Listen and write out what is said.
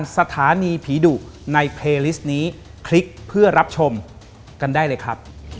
สวัสดีครับขอบคุณพี่โก้นะคะ